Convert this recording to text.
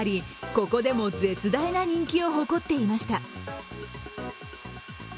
ここでも絶大な人気を誇っていました。